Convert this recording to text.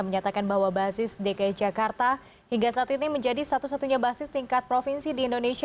menyatakan bahwa basis dki jakarta hingga saat ini menjadi satu satunya basis tingkat provinsi di indonesia